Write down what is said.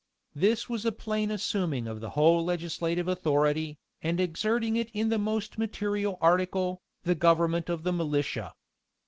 [] This was a plain assuming of the whole legislative authority, and exerting it in the most material article, the government of the militia.